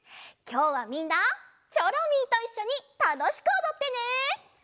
きょうはみんなチョロミーといっしょにたのしくおどってね！